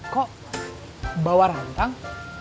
kok bawa rantang